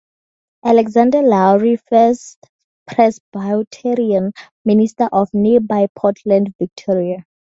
Alexander Laurie, first Presbyterian minister of nearby Portland, Victoria.